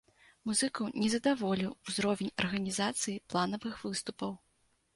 Музыкаў не задаволіў узровень арганізацыі планаваных выступаў.